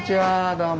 どうも。